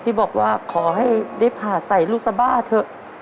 ที่บอกว่าขอให้ได้ผ่าใส่ลูกสบ้าเถอะ